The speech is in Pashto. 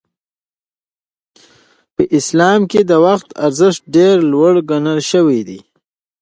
په اسلام کې د وخت ارزښت ډېر لوړ ګڼل شوی دی.